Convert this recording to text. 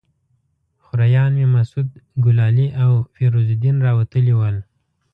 خوریان مې مسعود ګلالي او فیروز الدین راوتلي ول.